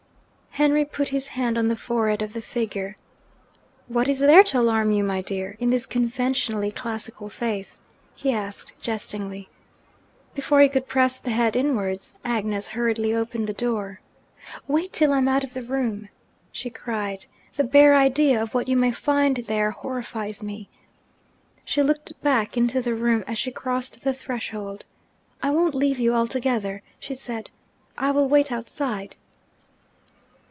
Henry put his hand on the forehead of the figure. 'What is there to alarm you, my dear, in this conventionally classical face?' he asked jestingly. Before he could press the head inwards, Agnes hurriedly opened the door. 'Wait till I am out of the room!' she cried. 'The bare idea of what you may find there horrifies me!' She looked back into the room as she crossed the threshold. 'I won't leave you altogether,' she said, 'I will wait outside.'